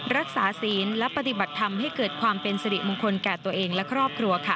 ศีลและปฏิบัติทำให้เกิดความเป็นสิริมงคลแก่ตัวเองและครอบครัวค่ะ